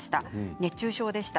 熱中症でした。